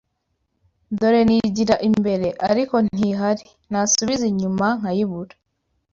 Dore nigira imbere, ariko ntihari, nasubiza inyuma, nkayibura